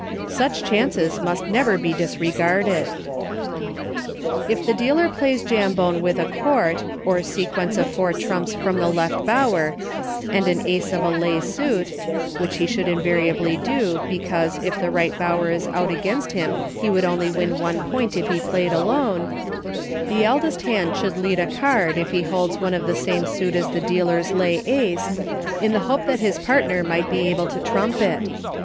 Such chances must never be dis regarded. If the dealer plays Jambone with a quart or sequence of four trumps from the Left Bower, and an Ace of a lay suit, (which he should invariably do, because, if the Eight Bower is out against him he could only win one point if he Played Alone,) the eldest hand should lead a card if he holds one of the same suit as the dealer's lay Ace, in the hope that his partner might be able to trump it.